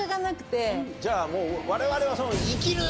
じゃもう我々は。